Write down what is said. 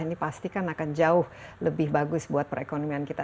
ini pastikan akan jauh lebih bagus buat perekonomian kita